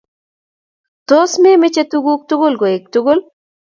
Tos memeche tukuk tukul koek tugul